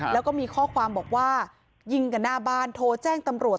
แล้วก็มีข้อความบอกว่ายิงกันหน้าบ้านโทรแจ้งตำรวจ